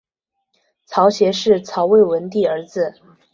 曹协是曹魏文帝儿子。